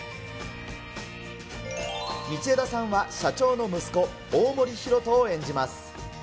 道枝さんは社長の息子、大森広翔を演じます。